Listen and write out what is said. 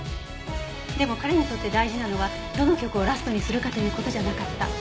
でも彼にとって大事なのはどの曲をラストにするかという事じゃなかった。